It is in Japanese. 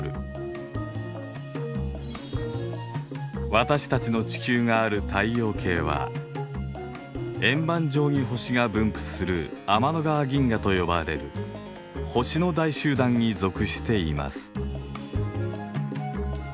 私たちの地球がある太陽系は円盤状に星が分布する天の川銀河と呼ばれる星の大集団に属しています。